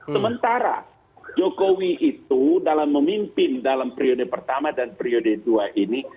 sementara jokowi itu dalam memimpin dalam periode pertama dan periode dua ini